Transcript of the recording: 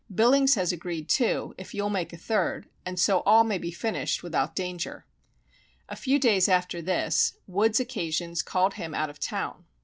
Billings has agreed too, if you'll make a third, and so all may be finished without danger._ A few days after this, Wood's occasions called him out of town.